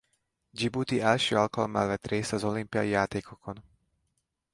Dzsibuti első alkalommal vett részt az olimpiai játékokon.